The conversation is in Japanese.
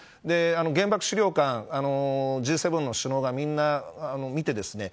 原爆資料館Ｇ７の首脳が見てですね。